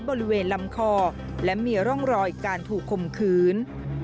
บริเวณลำคอและมีร่องรอยการถูกคมคืน